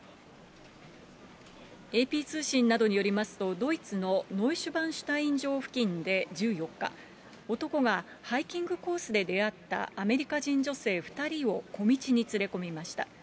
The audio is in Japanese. ＡＰ通信などによりますと、ドイツのノイシュバンシュタイン城付近で１４日、男がハイキングコースで出会ったアメリカ人女性２人を小道に連れ込みました。